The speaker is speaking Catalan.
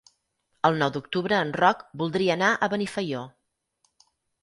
El nou d'octubre en Roc voldria anar a Benifaió.